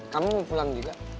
kamu mau pulang juga